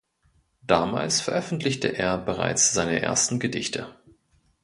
Damals veröffentlichte er bereits seine ersten Gedichte.